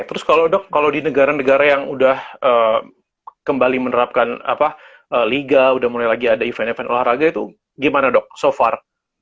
terus kalau dok kalau di negara negara yang udah kembali menerapkan liga udah mulai lagi ada event event olahraga itu gimana dok so far